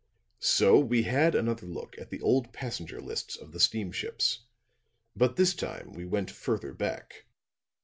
"'So we had another look at the old passenger lists of the steamships; but this time we went further back.